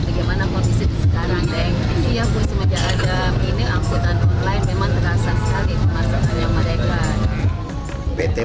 ini angkutan online memang terasa sekali kemacetannya mereka